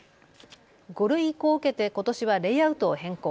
５類移行を受けてことしはレイアウトを変更。